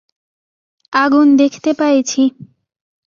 আগুন দেখতে পায়েছি!